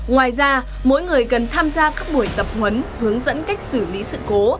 ngoài ra mỗi người cần tham gia các buổi tập huấn hướng dẫn cách xử lý sự cố